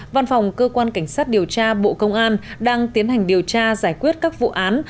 văn phòng cơ quan cảnh sát điều tra bộ công an đang tiến hành điều tra giải quyết các vụ án